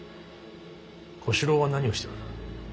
小四郎は何をしておる。